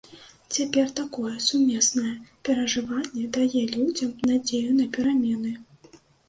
Цяпер такое сумеснае перажыванне дае людзям надзею на перамены.